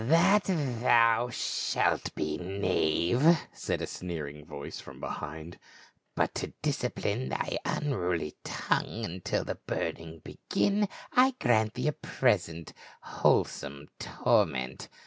"That thou shalt be, knave," said a sneering voice from behind, " but to discipline thy unruly tongue until the burning begin, I grant thee a present whole some torment."